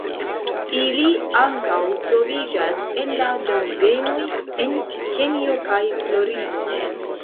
Ili ankaŭ troviĝas en la ĝardenoj en Kenjo kaj Florido.